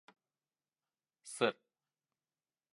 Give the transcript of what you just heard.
Сыр